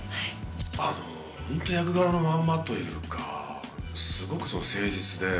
あのホント役柄のまんまというかすごく誠実で。